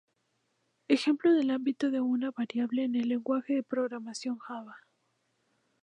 Ejemplo del ámbito de una variable en el lenguaje de programación Java.